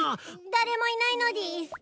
誰もいないのでぃす。